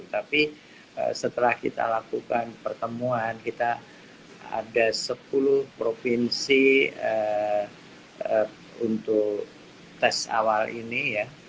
tapi setelah kita lakukan pertemuan kita ada sepuluh provinsi untuk tes awal ini ya